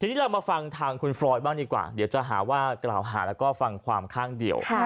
ทีนี้เรามาฟังทางคุณฟรอยบ้างดีกว่าเดี๋ยวจะหาว่ากล่าวหาแล้วก็ฟังความข้างเดียว